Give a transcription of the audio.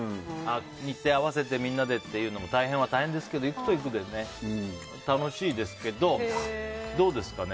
日程を合わせてみんなでっていうのも大変は大変ですけど行くと行くで楽しいですけどどうですかね？